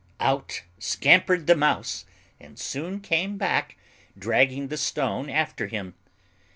Out scampered the Mouse, and soon came back, dragging the stone after him.